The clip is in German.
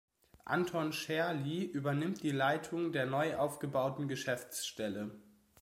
Anton Schärli übernimmt die Leitung der neu aufgebauten Geschäftsstelle.